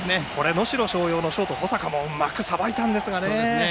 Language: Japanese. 能代松陽のショート保坂もうまくさばいたんですけどね。